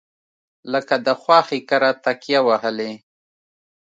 لکه د خواښې کره تکیه وهلې.